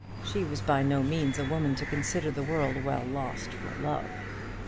She was by no means a woman to consider the world well lost for love.